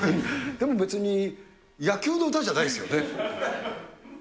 でも別に、野球の歌じゃないですよね。